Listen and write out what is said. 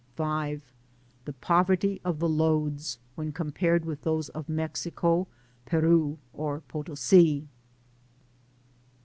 & The poverty of the lodes, when compared with those of Mexico, Peru, or Potosi.